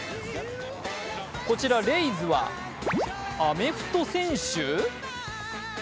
こちらレイズはアメフト選手？